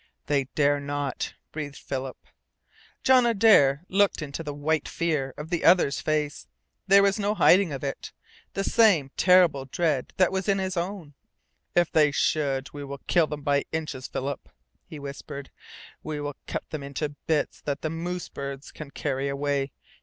"They dare not!" breathed Philip. John Adare looked into the white fear of the other's face. There was no hiding of it: the same terrible dread that was in his own. "If they should, we will kill them by inches, Philip!" he whispered. "We will cut them into bits that the moose birds can carry away.